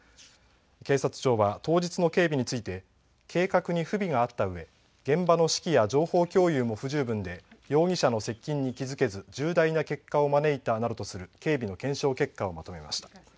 警察庁は当日の警備について計画に不備があったうえ現場の指揮や情報共有も不十分で容疑者の接近に気付けず重大な結果を招いたなどとする警備の検証結果をまとめました。